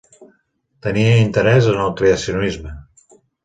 Tenia interès en el creacionisme.